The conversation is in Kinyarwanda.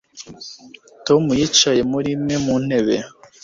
Tom yicaye muri imwe mu ntebe